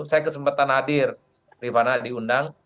saya kesempatan hadir rifana diundang